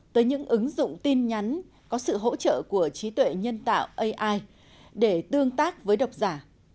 tới những ứng dụng tin nhắn có sự hỗ trợ của trí tuệ nhân tạo ai để tương tác với độc giả